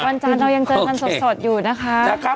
วันจันทร์เรายังเจอกันสดอยู่นะคะ